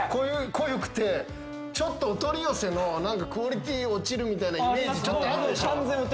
濃ゆくてちょっとお取り寄せの何かクオリティー落ちるみたいなイメージちょっとあるでしょ？